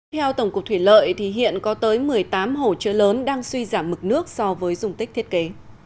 theo tổng cục thủy lợi thì hiện có tới một mươi tám hồ chứa lớn đang suy giảm mực nước so với dùng tích thiết kế